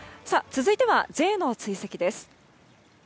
続いては、Ｊの追跡です。